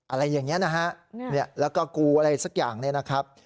อะไรอย่างนี้นะฮะแล้วก็กูอะไรสักอย่างเนี่ยนะครับ